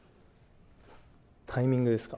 タイミングですか。